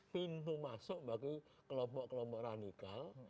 pintu masuk bagi kelompok kelompok radikal